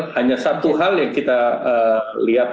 hanya satu hal yang kita lihat